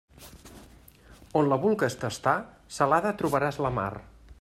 On la vulgues tastar, salada trobaràs la mar.